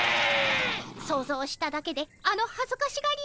想像しただけであのはずかしがりよう。